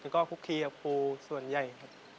ก็คุกคีกับครูส่วนใหญ่ครับ